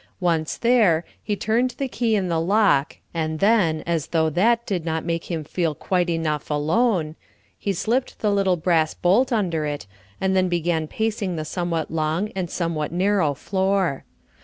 Once there, he turned the key in the lock, and then, as though that did not make him feel quite enough alone, he slipped the little brass bolt under it, and then began pacing the somewhat long and somewhat narrow floor.